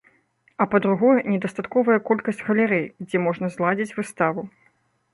А па-другое, недастатковая колькасць галерэй, дзе можна зладзіць выставу.